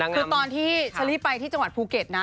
คือตอนที่เชอรี่ไปที่จังหวัดภูเก็ตนะ